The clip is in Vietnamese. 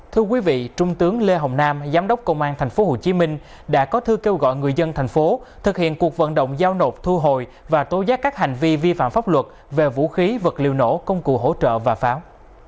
thưa quý vị trung tướng lê hồng nam giám đốc công an tp hcm đã có thư kêu gọi người dân thành phố thực hiện cuộc vận động giao nộp thu hồi và tố giác các hành vi vi phạm pháp luật về vũ khí vật liệu nổ công cụ hỗ trợ và pháo